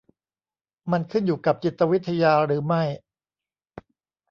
มันขึ้นอยู่กับจิตวิทยาหรือไม่ ?